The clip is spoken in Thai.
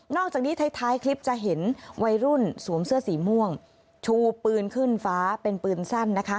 อกจากนี้ท้ายคลิปจะเห็นวัยรุ่นสวมเสื้อสีม่วงชูปืนขึ้นฟ้าเป็นปืนสั้นนะคะ